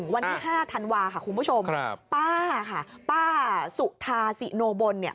วันที่๕ธันวาค่ะคุณผู้ชมป้าค่ะป้าสุธาสิโนบลเนี่ย